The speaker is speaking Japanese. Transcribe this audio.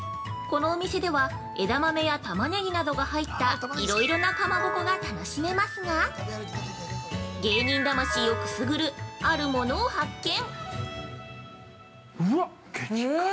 このお店では枝豆やタマネギなどが入ったいろいろなかまぼこが楽しめますが芸人魂をくすぐるある物を発見！